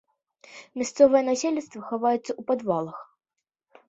Мясцовае насельніцтва хаваецца ў падвалах.